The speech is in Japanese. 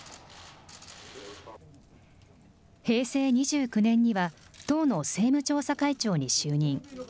平成２９年には、党の政務調査会長に就任。